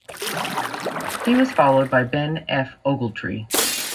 He was followed by Ben F. Ogletree.